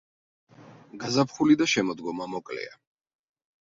გაზაფხული და შემოდგომა მოკლეა.